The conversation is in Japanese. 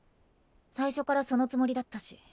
最初からそのつもりだったし。